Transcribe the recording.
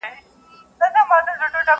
تر مابین مو دي په وېش کي عدالت وي٫